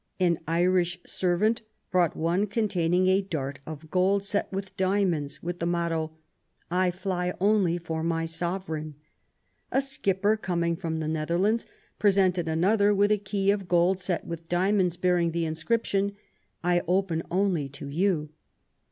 An Irish servant brought one containing a dart of gold set with diamonds, with the. motto: "I fly only for my Sovereign *'. A skipper coming from the Nether lands presented another with a key of gold set with diamonds, bearing the inscription :" I open only to you".